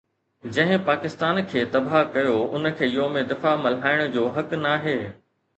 جنهن پاڪستان کي تباهه ڪيو ان کي يوم دفاع ملهائڻ جو حق ناهي